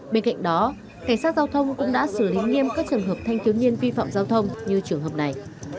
bên cạnh đó cảnh sát giao thông cũng đã xử lý nghiêm các trường hợp thanh thiếu niên vi phạm giao thông như trường hợp này